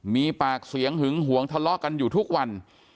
มีปากเสียงหึงหวงทะเลาะกันอยู่ทุกวัน